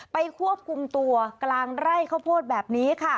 ควบคุมตัวกลางไร่ข้าวโพดแบบนี้ค่ะ